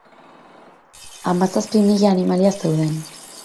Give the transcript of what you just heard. Hamazazpi mila animalia zeuden.